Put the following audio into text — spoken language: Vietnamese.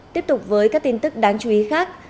tiếp tục với các tin tức đáng chú ý khác